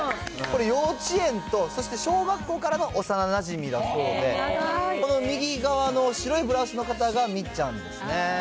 幼稚園と、そして小学校からの幼なじみだそうで、この右側の白いブラウスの方がみっちゃんですね。